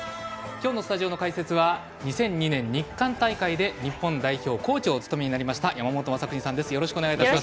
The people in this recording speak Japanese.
今日のスタジオの解説は２００２年日韓大会で日本代表のコーチを務めました山本昌邦さんです。